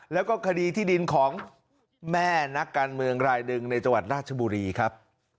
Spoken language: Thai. แล้วก็คดีที่ดินของแม่นักการเมืองรายหนึ่งในจังหวัดราชบุรีครับ